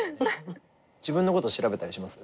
自分のこと調べたりします？